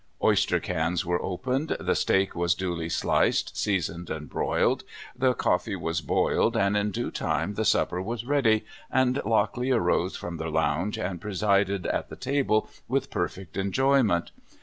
Oyster cans were opened, the steak was duly sHced, seasoned, and broiled, the coffee was boiled, and in due time the supper was ready, and Lockley arose from the lounge and pre sided at the table with perfect enjoyment.